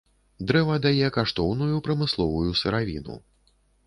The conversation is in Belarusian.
Дрэва дае каштоўную прамысловую сыравіну.